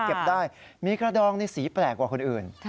เก็บได้มีกระดองในสีแปลกกว่าคนอื่น